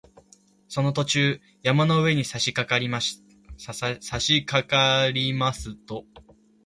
その途中、山の上にさしかかりますと